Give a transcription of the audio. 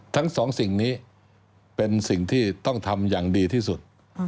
ทั้งสองสิ่งนี้เป็นสิ่งที่ต้องทำอย่างดีที่สุด